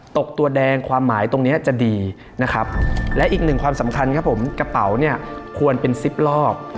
ตัวแดงความหมายตรงนี้จะดีนะครับและอีกหนึ่งความสำคัญครับผมกระเป๋าเนี่ยควรเป็นสิบรอบ